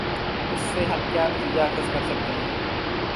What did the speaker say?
اس سے ہم کیا نتیجہ اخذ کر سکتے ہیں۔